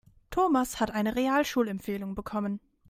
Thomas hat eine Realschulempfehlung bekommen.